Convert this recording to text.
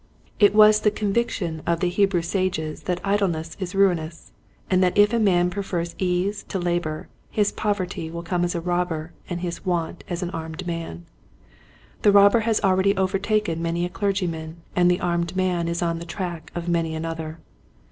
It was the conviction of the Hebrew sages that idleness is ruinous, and that if a man prefers ease to labor his poverty will come as a robber and his want as an armed man. The robber has already overtaken many a clergyman and the armed man is on the track of many another.